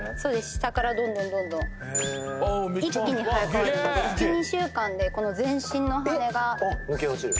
下からどんどんどんどんへえー一気に生え変わるので１２週間で全身の羽が抜け落ちる？